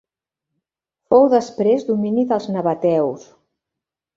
Fou després domini dels nabateus.